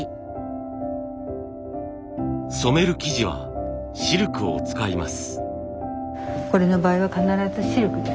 染める生地はシルクを使います。